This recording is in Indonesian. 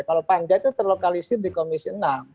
kalau panja itu terlokalisir di komisi enam